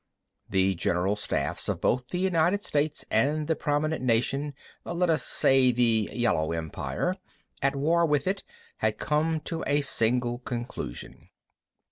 The general staffs of both the United States and the prominent nation—let us say the Yellow Empire—at war with it had come to a single conclusion.